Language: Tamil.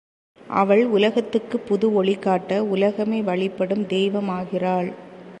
அவள் உலகத்துக்குப் புது ஒளிகாட்ட உலகமே வழிபடும் தெய்வம் ஆகிறாள்.